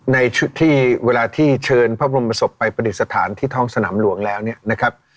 ในชุดที่เวลาที่เชิญพระบรมศพไปประดิษฐานที่ท้องสนามหลวงแล้วเนี่ยนะครับ